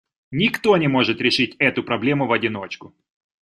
Никто не может решить эту проблему в одиночку.